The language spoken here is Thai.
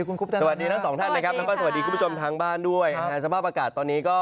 คนภาคกลางบอกว่าน่าร้อน